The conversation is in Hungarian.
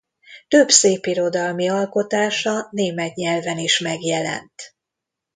Több szépirodalmi alkotása német nyelven is megjelent.